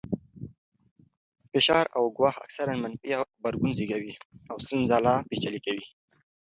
فشار او ګواښ اکثراً منفي غبرګون زېږوي او ستونزه لا پېچلې کوي.